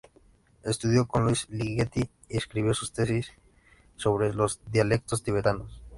Estudió con Louis Ligeti, y escribió su tesis sobre los dialectos tibetanos.